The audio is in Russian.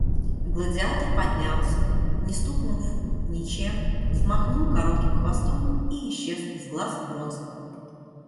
Гладиатор поднялся, не стукнув ничем, взмахнул коротким хвостом и исчез из глаз Вронского.